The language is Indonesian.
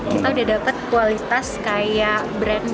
kita sudah dapat kualitas kayak brand brand